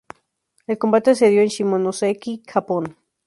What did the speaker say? El combate se dio en Shimonoseki, Japón.